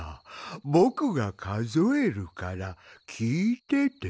ぼくがかぞえるからきいてて。